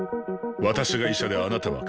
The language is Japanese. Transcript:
私が医者であなたは患者。